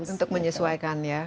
untuk menyesuaikan ya